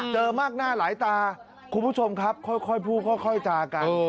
เจอมากหน้าหลายตาคุณผู้ชมครับค่อยพูดค่อยจากัน